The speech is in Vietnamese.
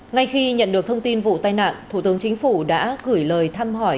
ngay khi nhận được thông tin vụ tai nạn thủ tướng chính phủ đã gửi lời thăm hỏi